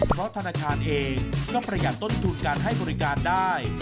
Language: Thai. เพราะธนาคารเองก็ประหยัดต้นทุนการให้บริการได้